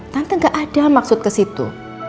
nanti gak ada maksud ke situ